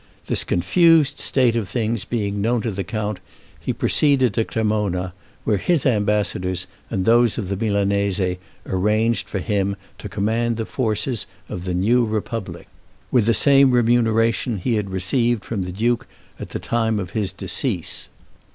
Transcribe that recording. This confused state of things being known to the count, he proceeded to Cremona, where his ambassadors and those of the Milanese arranged for him to command the forces of the new republic, with the same remuneration he had received from the duke at the time of his decease.